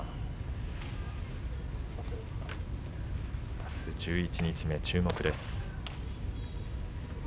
あす十一日目、注目です。